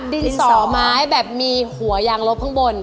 ดินสอไม้แบบมีหัวยางลบข้างบน